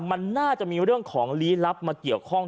มันน่าจะมีเรื่องของลี้ลับมาเกี่ยวข้อง